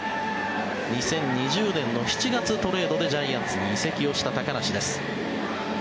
２０２０年７月、トレードでジャイアンツに移籍した高梨です。